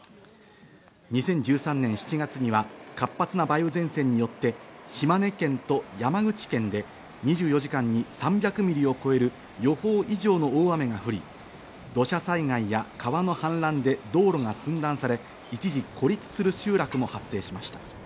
２０１３年７月には活発な梅雨前線によって島根県と山口県で２４時間に３００ミリを超える予報以上の大雨が降り、土砂災害や川の氾濫で道路が寸断され、一時、孤立する集落も発生しました。